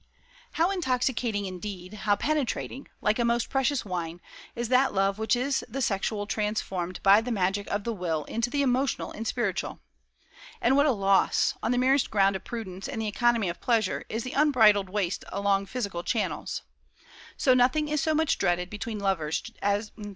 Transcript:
"How intoxicating, indeed, how penetrating like a most precious wine is that love which is the sexual transformed by the magic of the will into the emotional and spiritual! And what a loss, on the merest ground of prudence and the economy of pleasure, is the unbridled waste along physical channels!